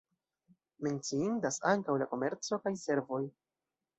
Menciindas ankaŭ la komerco kaj servoj.